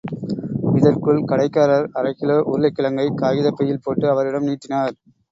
இதற்குள், கடைக்காரர் அரைக்கிலோ உருளைக்கிழங்கை காகிதப் பையில் போட்டு அவரிடம் நீட்டினார்.